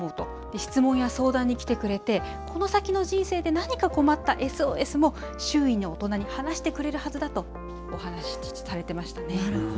質問や相談に来てくれて、この先の人生で何か困ったＳＯＳも、周囲の大人に話してくれるはずだと、お話されていましたね。